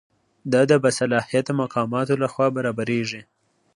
دا د باصلاحیته مقاماتو لخوا برابریږي.